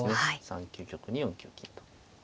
３九玉に４九金と。